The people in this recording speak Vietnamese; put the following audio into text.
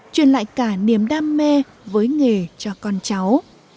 truyền lại cả niềm đam mê với nghề cho con cháu